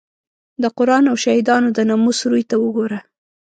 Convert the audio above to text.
د قران او شهیدانو د ناموس روی ته وګوره.